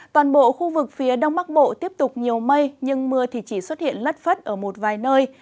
toàn bộ khu vực phía đông bắc bộ tiếp tục nhiều mây nhưng mưa thì chỉ xuất hiện lất phất ở một vài nơi